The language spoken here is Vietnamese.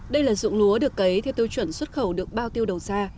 đây là dụng lúa được cấy theo tiêu chuẩn xuất khẩu được bao tiêu đầu ra